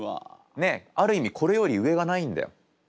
ねっある意味これより上がないんだよ。